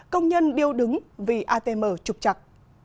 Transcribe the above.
công nhân điêu đứng vì atm trục chặt